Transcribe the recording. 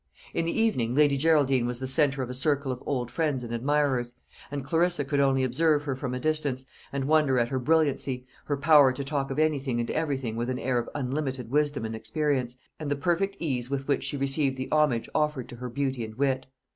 In the evening Lady Geraldine was the centre of a circle of old friends and admirers; and Clarissa could only observe her from a distance, and wonder at her brilliancy, her power to talk of anything and everything with an air of unlimited wisdom and experience, and the perfect ease with which she received the homage offered to her beauty and wit.